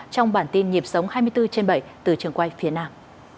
trong bản tin nhịp sống hai mươi bốn trên bảy từ trường quay phía nam